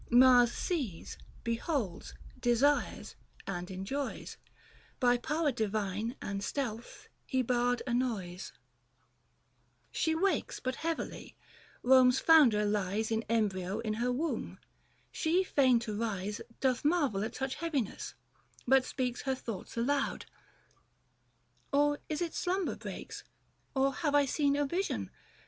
Mars sees, beholds, desires, and enjoys : By power divine and stealth he barred annoys. F 2 68 THE FASTI. Book in. She wakes ; but heavily ; Rome's founder lies * 25 I^i embryo in her womb. She fain to rise i )oth marvel, at such heaviness, but speaks Pier thoughts aloud :—" Or is it slumber breaks, Or have I seen a vision?